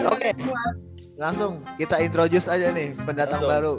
oke langsung kita introduce aja nih pendatang baru